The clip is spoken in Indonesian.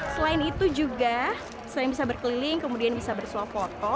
selain itu juga selain bisa berkeliling kemudian bisa bersuap foto